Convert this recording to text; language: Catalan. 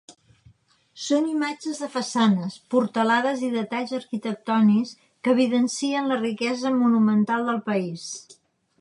Són imatges de façanes, portalades i detalls arquitectònics que evidencien la riquesa monumental del país.